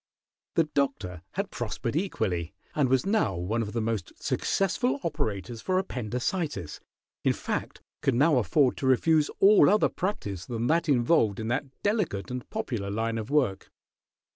The Doctor had prospered equally, and was now one of the most successful operators for appendicitis; in fact, could now afford to refuse all other practice than that involved in that delicate and popular line of work.